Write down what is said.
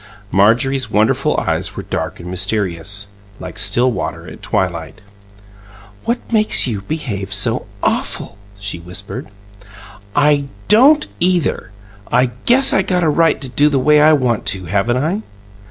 Marjorie's wonderful eyes were dark and mysterious, like still water at twilight. "What makes you behave so AWFUL?" she whispered. "I don't either! I guess I got a right to do the way I want to, haven't I?"